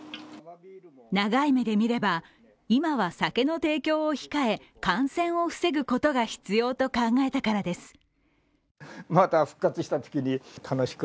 長い目で見れば、今は酒の提供を控え、感染を防ぐことが必要と考えたからです。